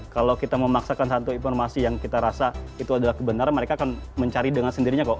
kalau kita memaksakan satu informasi yang kita rasa itu adalah kebenaran mereka akan mencari dengan sendirinya kok